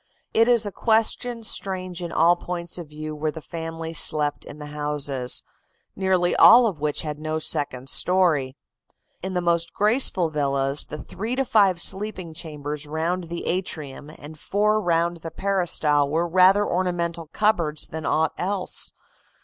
It is a question strange in all points of view where the family slept in the houses, nearly all of which had no second story. In the most graceful villas the three to five sleeping chambers round the atrium and four round the peristyle were rather ornamental cupboards than aught else.